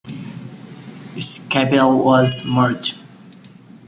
Its capital was Marj.